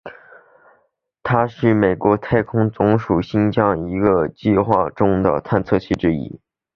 它是美国太空总署新疆界计画计划中的探测器之一。